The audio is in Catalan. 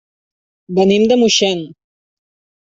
Venim de Moixent.